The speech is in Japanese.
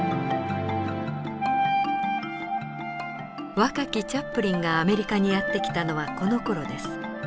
若きチャップリンがアメリカにやって来たのはこのころです。